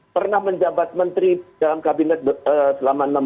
pernah menjabat menteri dalam kabinet selama enam tahun